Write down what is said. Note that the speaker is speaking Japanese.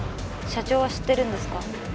社長は知ってるんですか？